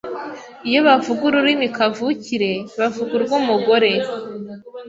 iyo bavuga ururimi kavukire bavuga urw’umugore